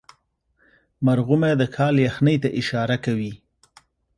مرغومی د کال یخنۍ ته اشاره کوي.